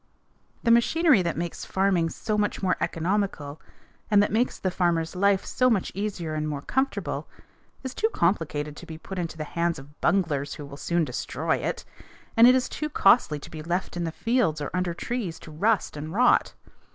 IN NEED OF IMPROVEMENT] The machinery that makes farming so much more economical and that makes the farmer's life so much easier and more comfortable is too complicated to be put into the hands of bunglers who will soon destroy it, and it is too costly to be left in the fields or under trees to rust and rot.